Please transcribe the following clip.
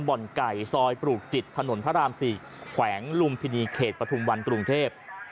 บ่อนไก่ซอยปรูกจิตถนนพระรามสี่แขวงลุมพินีเคจปฎวรรณกรุงเทพฯ